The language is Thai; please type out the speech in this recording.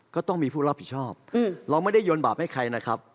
ก็ต้องมีผู้รับผิดชอบเราไม่ได้โยนบาปให้ใครนะครับ